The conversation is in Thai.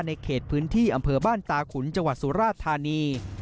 เขตพื้นที่อำเภอบ้านตาขุนจังหวัดสุราธานี